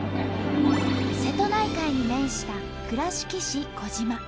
瀬戸内海に面した倉敷市児島。